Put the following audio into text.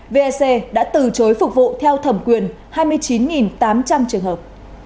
vec đã từ chối phục vụ theo thẩm quyền hai mươi chín tám trăm linh trường hợp